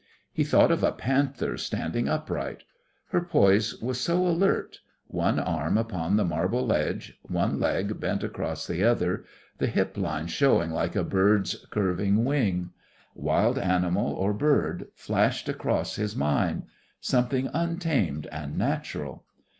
He thought of a panther standing upright. Her poise was so alert one arm upon the marble ledge, one leg bent across the other, the hip line showing like a bird's curved wing. Wild animal or bird, flashed across his mind: something untamed and natural.